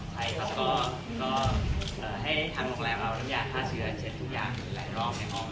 ไทยเขาก็ให้ทำโรงแรมเอาน้ำยาฆ่าเชื้อเช็ดทุกอย่างหลายรอบในห้อง